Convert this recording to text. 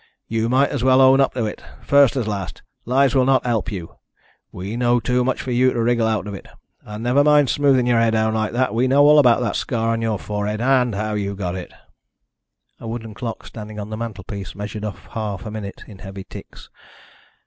You might as well own up to it, first as last. Lies will not help you. We know too much for you to wriggle out of it. And never mind smoothing your hair down like that. We know all about that scar on your forehead, and how you got it." A wooden clock, standing on the mantelpiece, measured off half a minute in heavy ticks.